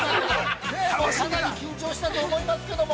◆かなり緊張したと思うんですけれども。